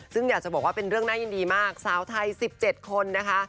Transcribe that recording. ซึ่งอยากจะบอกว่าเป็นเรื่องน่ายินดีมากสาวไทย๑๗คนนะคะ